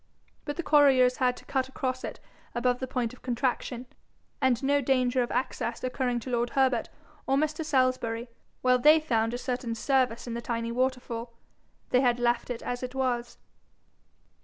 But the quarriers had cut across it above the point of contraction; and no danger of access occurring to lord Herbert or Mr. Salisbury, while they found a certain service in the tiny waterfall, they had left it as it was.